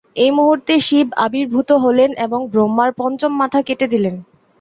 এই মুহূর্তে শিব আবির্ভূত হলেন এবং ব্রহ্মার পঞ্চম মাথা কেটে দিলেন।